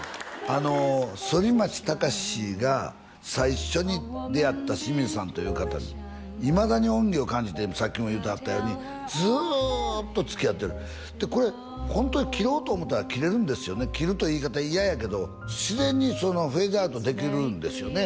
あの反町隆史が最初に出会った清水さんという方にいまだに恩義を感じているさっきも言うてはったようにずっとつきあってるでこれホントに切ろうと思ったら切れるんですよね切るという言い方嫌やけど自然にフェードアウトできるんですよね